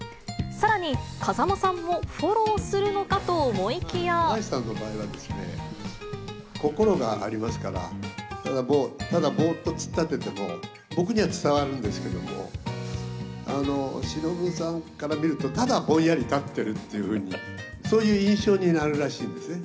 さらに、風間さんもフォローする高橋さんの場合はですね、心がありますから、ただぼーっと突っ立ってても、僕には伝わるんですけども、しのぶさんから見ると、ただぼんやり立ってるっていうふうに、そういう印象になるらしいんですね。